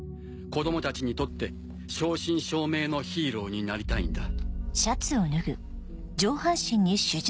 子供たちにとって正真正銘のヒーローになりたいんだ。